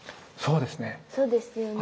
そうですね。